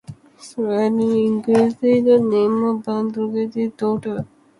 Sadie is incidentally the name of the band's longtime backing singer's daughter.